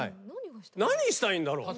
何したいんだろう？